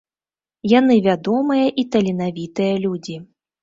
Яны вядомыя і таленавітыя людзі.